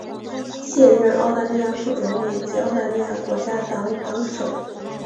现任澳大利亚副总理及澳大利亚国家党党首。